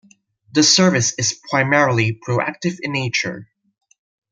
The service is primarily proactive in nature.